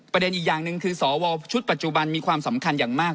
อีกอย่างหนึ่งคือสวชุดปัจจุบันมีความสำคัญอย่างมาก